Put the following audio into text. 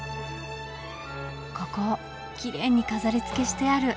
ここきれいに飾りつけしてある。